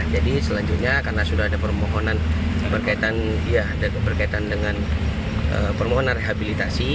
jadi selanjutnya karena sudah ada permohonan berkaitan dengan permohonan rehabilitasi